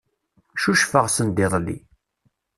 Cucfeɣ sendiḍelli.